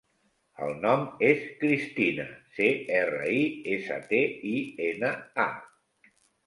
El nom és Cristina: ce, erra, i, essa, te, i, ena, a.